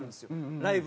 ライブを。